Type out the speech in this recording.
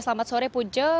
selamat sore puja